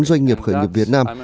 doanh nghiệp khởi nghiệp việt nam